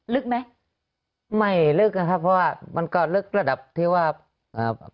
ลึกไหมไม่ลึกนะครับเพราะว่ามันก็ลึกระดับที่ว่าอ่า